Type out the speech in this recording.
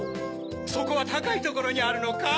そこはたかいところにあるのか？